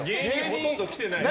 ほとんど来てない。